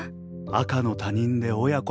赤の他人で親子。